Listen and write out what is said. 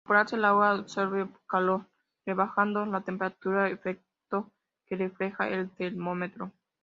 Al evaporarse el agua, absorbe calor rebajando la temperatura, efecto que reflejará el termómetro.